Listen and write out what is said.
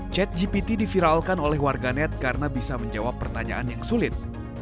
chat gpt diviralkan oleh warganet karena bisa menjawab pertanyaan yang sulit